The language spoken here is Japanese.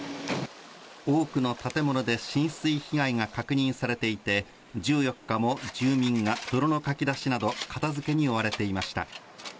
多くの建物で浸水被害が確認されていて、１４日も住民が泥のかき出しなど、片づけに追われていました。